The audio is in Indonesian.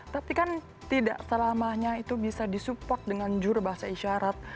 tapi kan tidak selamanya itu bisa disupport dengan juru bahasa isyarat